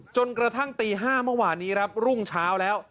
จนกระทั่งตี๕เมื่อวานนี้ครับรุ่งเช้าแล้ว